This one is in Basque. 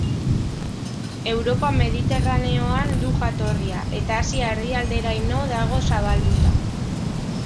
Europa mediterraneoan du jatorria, eta Asia erdialderaino dago zabalduta.